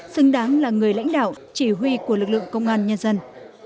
xứng đáng là người lãnh đạo chỉ huy của lực lượng công an nhân dân